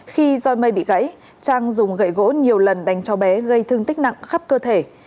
khi do mây bị gãy trang dùng gậy gỗ nhiều lần đánh cháu bé gây thương tích nặng khắp cơ thể